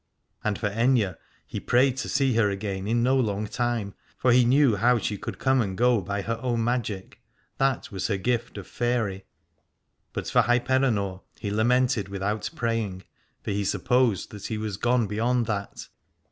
And for Aithne he prayed to see her again in no long time, for he knew how she could come and go by her own magic, that was her gift of faery : but for Hyperenor he lamented without praying, for he supposed that he was gone beyond that.